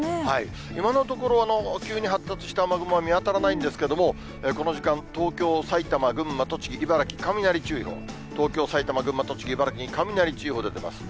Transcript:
今のところ、急に発達した雨雲は見当たらないんですけれども、この時間、東京、埼玉、群馬、栃木、茨城、雷注意報、東京、埼玉、群馬、栃木、茨城に雷注意報出てます。